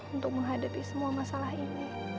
untuk menghadapi semua masalah ini